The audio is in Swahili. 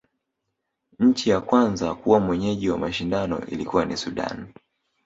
nchi ya kwanza kuwa mwenyeji wa mashindano ilikua ni sudan